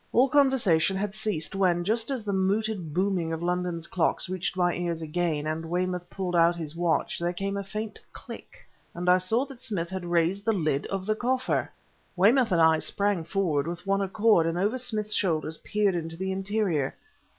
All conversation had ceased, when, just as the muted booming of London's clocks reached my ears again and Weymouth pulled out his watch, there came a faint click ... and I saw that Smith had raised the lid of the coffer! Weymouth and I sprang forward with one accord, and over Smith's shoulders peered into the interior.